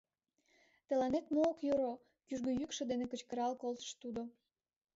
— Тыланет мо ок йӧрӧ! — кӱжгӧ йӱкшӧ дене кычкырал колтыш тудо.